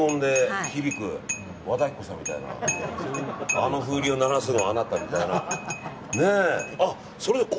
あの風鈴を鳴らすのはあなたみたいな。